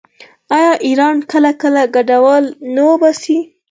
آیا ایران کله کله کډوال نه وباسي؟